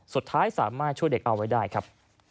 สุดท้ายสามารถช่วยเด็กเอาไว้ได้ครับ